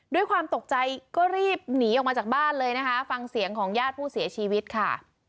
ด้วยความตกใจก็รีบหนีออกมาจากบ้านเลยนะคะฟังเสียงของญาติผู้เสียชีวิตค่ะ